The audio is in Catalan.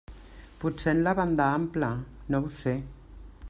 Potser en la banda ampla, no ho sé.